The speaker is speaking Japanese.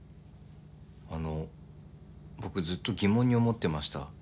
あの僕ずっと疑問に思ってました。